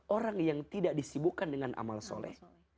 orang yang tidak disibukkan dengan amal soleh